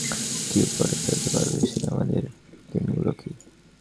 আজ কোনো রকমের নিড়ুনি দিয়ে কি উপড়ে ফেলতে পারবে সেই আমাদের দিনগুলিকে।